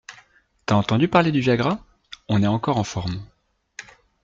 T’as entendu parler du Viagra ? On est encore en forme